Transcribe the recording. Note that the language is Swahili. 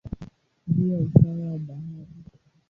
juu ya usawa wa bahari.